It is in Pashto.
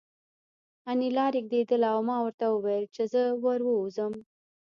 انیلا رېږېدله او ما ورته وویل چې زه ور ووځم